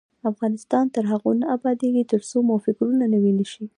افغانستان تر هغو نه ابادیږي، ترڅو مو فکرونه نوي نشي.